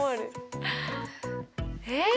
え？